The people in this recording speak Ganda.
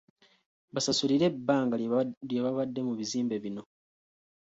Basasulire ebbanga lye babaddemu mu bizimbe bino.